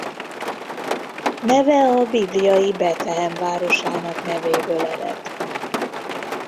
Neve a bibliai Betlehem városának nevéből ered.